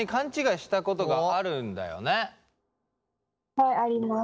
はいあります。